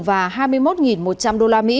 và hai mươi một một trăm linh usd